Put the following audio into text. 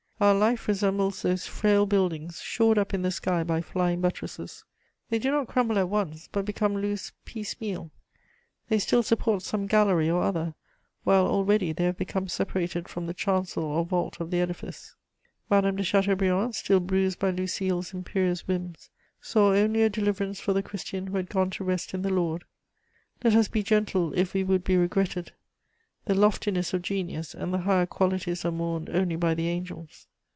Our life resembles those frail buildings, shored up in the sky by flying buttresses: they do not crumble at once, but become loose piecemeal; they still support some gallery or other, while already they have become separated from the chancel or vault of the edifice. Madame de Chateaubriand, still bruised by Lucile's imperious whims, saw only a deliverance for the Christian who had gone to rest in the Lord. Let us be gentle if we would be regretted; the loftiness of genius and the higher qualities are mourned only by the angels.